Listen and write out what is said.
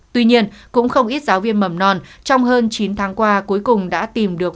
tuy nhiên cũng không ít giáo viên mầm non trong hơn chín tháng qua cuối cùng đã tìm được